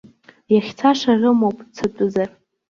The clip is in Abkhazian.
Иахьцаша рымоуп, цатәызар.